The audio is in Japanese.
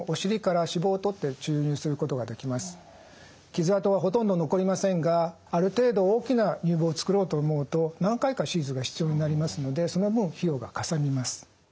傷痕はほとんど残りませんがある程度大きな乳房を作ろうと思うと何回か手術が必要になりますのでその分費用がかさみます。